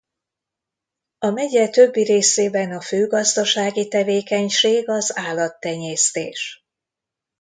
A megye többi részében a fő gazdasági tevékenység az állattenyésztés.